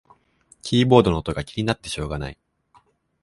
キーボードの音が気になってしょうがない